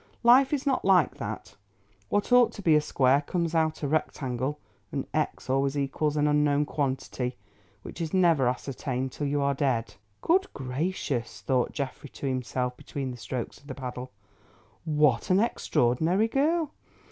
Life is not like that; what ought to be a square comes out a right angle, and x always equals an unknown quantity, which is never ascertained till you are dead." "Good gracious!" thought Geoffrey to himself between the strokes of the paddle, "what an extraordinary girl.